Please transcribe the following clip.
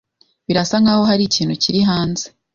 Birasa nkaho hari ikintu kiri hanze.